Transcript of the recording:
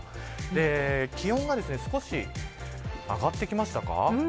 気温が少し上がってきましたか。